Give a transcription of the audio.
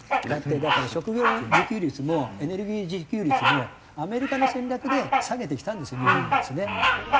だってだから食料自給率もエネルギー自給率もアメリカの戦略で下げてきたんですよ日本はですね。